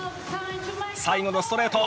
最後のストレート。